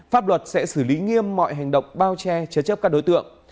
pháp luật sẽ xử lý nghiêm mọi hành động bao che chế chấp các đối tượng